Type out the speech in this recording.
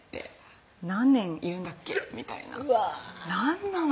「何年いるんだっけ」みたいな何なの？